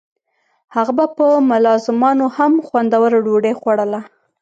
هغه به په ملازمانو هم خوندوره ډوډۍ خوړوله.